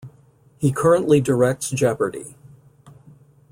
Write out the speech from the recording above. He currently directs Jeopardy!